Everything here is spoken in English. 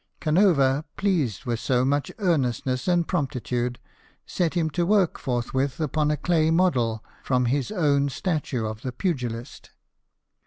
Canova, pleased with so much earnestness and promptitude, set him to work forthwith upon a clay model from his own statue of the Pugilist.